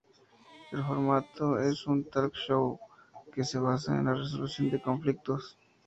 El formato es un Talk show que se basa en la resolución de conflictos.